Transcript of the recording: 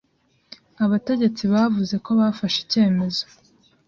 Abategetsi bavuze ko bafashe icyemezo